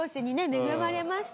恵まれました。